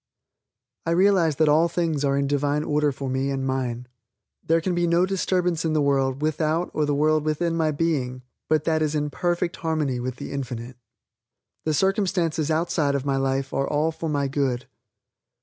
I realize that all things are in Divine order for me and mine. There can be no disturbance in the world without or the world within my being but that is in perfect harmony with the Infinite. The circumstances outside of my life are all for my good.